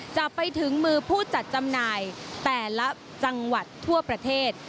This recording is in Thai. จะไปถึงมือผู้จัดจำหน่ายแต่ละจังหวัดทั่วประเทศ